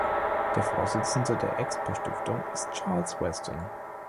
Der Vorsitzende der Expo-Stiftung ist Charles Westin.